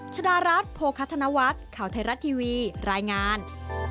ชดารัฐโภคธนวัฒน์ข่าวไทยรัฐทีวีรายงาน